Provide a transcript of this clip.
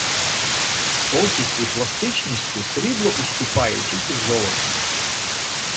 Ковкістю й пластичністю срібло уступає тільки золоту